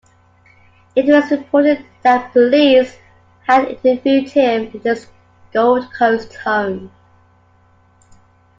It was reported that police had interviewed him at his Gold Coast home.